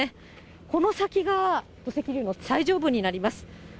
この先が土石流の最上部になります。